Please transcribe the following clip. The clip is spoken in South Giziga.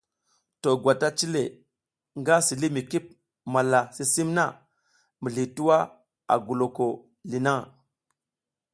To gwata cile nga si li mi kip malla sisim na mizli twua a goloko li na.